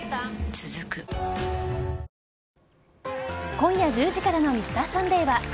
続く今夜１０時からの「Ｍｒ．サンデー」は。